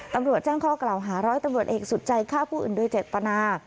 ตำรวจแจ้งข้อกล่าวหาร้อยตำรวจเอกสุดใจฆ่าผู้อื่นโดยเจตนา